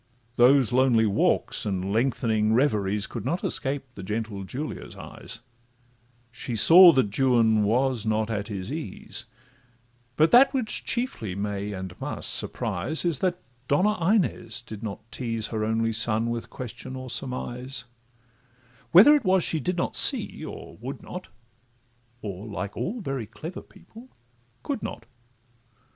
Those lonely walks, and lengthening reveries, Could not escape the gentle Julia's eyes; She saw that Juan was not at his ease; But that which chiefly may, and must surprise, Is, that the Donna Inez did not tease Her only son with question or surmise: Whether it was she did not see, or would not, Or, like all very clever people, could not.